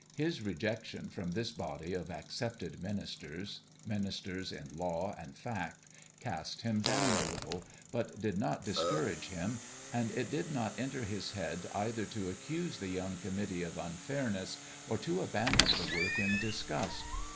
His rejection from this body of ac cepted ministers ministers in law and fact cast him down, a little, but did not discourage him ; and it did not enter his head either to accuse the young committee of unfairness or to abandon the work in disgust.